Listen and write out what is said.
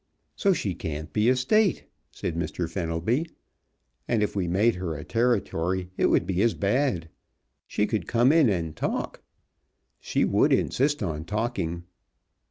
"So she can't be a State," said Mr. Fenelby, "and if we made her a Territory it would be as bad. She could come in and talk. She would insist on talking."